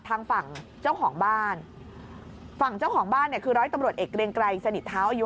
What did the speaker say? พ่อเป็นตำรวจนี่